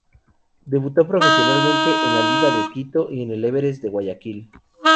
Debutó profesionalmente en Liga de Quito y en el Everest de Guayaquil.